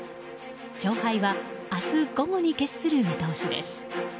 勝敗は明日午後に決する見通しです。